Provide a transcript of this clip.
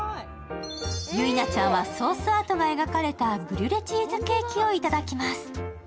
ゆいなちゃんは、ソースアートが描かれたブリュレチーズケーキをいただきます。